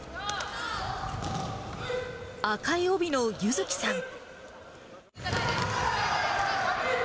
赤い帯の優月さん。